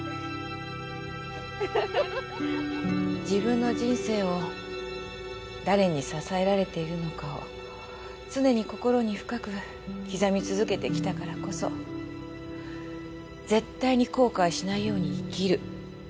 自分の人生を誰に支えられているのかを常に心に深く刻み続けてきたからこそ絶対に後悔しないように生きる。